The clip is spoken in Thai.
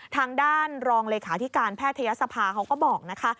ทางด้านรองเลขาธิการแพทยศภาเขาก็บอกนะคะ